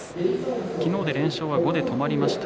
昨日、連勝は５で止まりました。